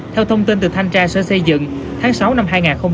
theo thông tin từ thanh tra sở xây dựng tháng sáu năm hai nghìn một mươi bảy